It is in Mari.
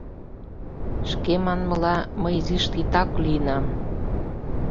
Шке манмыла, мый изиш титак лийынам.